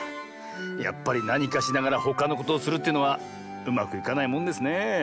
やっぱりなにかしながらほかのことをするというのはうまくいかないもんですねえ。